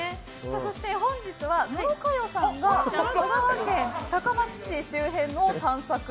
本日は野呂佳代さんが香川県高松市周辺を探索。